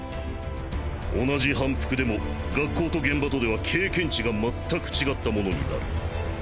同じ反復でも学校と現場とでは経験値が全く違ったものになる。